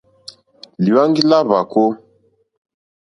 Lìhwáŋɡí lá hwàkó.